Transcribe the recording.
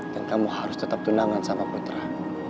dan kamu harus tetap tunangan sama putra